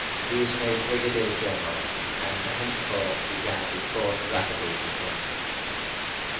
He was made Brigadier General, and thenceforth began to forge rapidly to the front.